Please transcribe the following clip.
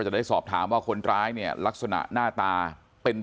จังหวะนั้นได้ยินเสียงปืนรัวขึ้นหลายนัดเลย